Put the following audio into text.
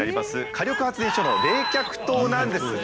火力発電所の冷却塔なんですが。